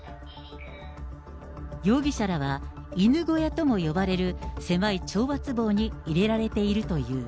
容疑者らは犬小屋とも呼ばれる狭い懲罰房に入れられているという。